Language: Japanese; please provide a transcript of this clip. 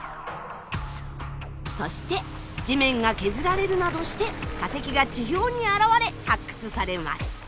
そして地面が削られるなどして化石が地表に現れ発掘されます。